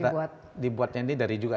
berangkas dibuatnya dari juga